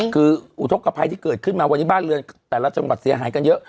คืออุทธกภัยที่เกิดขึ้นมาวันนี้บ้านเรือนแต่ละจังหวัดเสียหายกันเยอะ